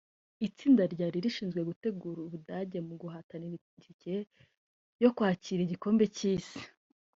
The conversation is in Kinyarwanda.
Itsinda ryari rishinzwe gutegura u Budage mu guhatanira itike yo kwakira igikombe cy’isi